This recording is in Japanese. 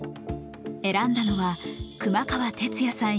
選んだのは熊川哲也さん